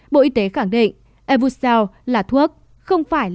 bộ y tế khẳng định evucel là thuốc evucel